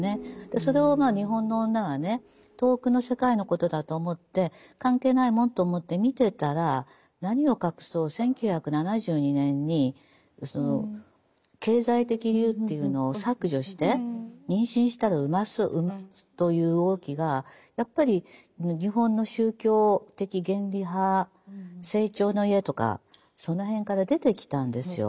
それを日本の女はね遠くの世界のことだと思って関係ないもんと思って見てたら何を隠そう１９７２年に「経済的理由」というのを削除して妊娠したら産ますという動きがやっぱり日本の宗教的原理派生長の家とかその辺から出てきたんですよ。